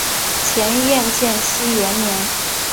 前燕建熙元年。